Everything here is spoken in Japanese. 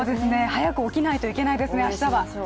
早く起きないといけないですね、明日は。